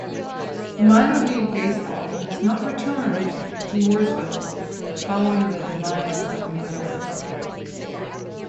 Minor league baseball has not returned to Mooresville following the demise of the Moors.